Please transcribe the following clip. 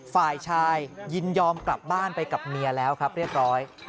ฝ่ายชายยินยอมกลับบ้านไปกับเมียแล้วครับเรียบร้อย